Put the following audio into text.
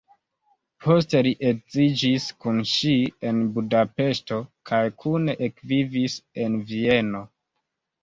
Poste li edziĝis kun ŝi en Budapeŝto kaj kune ekvivis en Vieno.